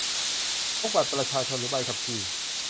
พกบัตรประชาชน หรือ ใบขับขี่